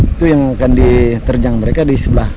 itu yang akan diterjang mereka di sebelah